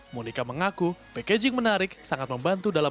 monika mengaku packaging menarik sangat membantu dalam